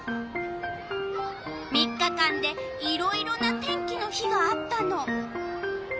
３日間でいろいろな天気の日があったの。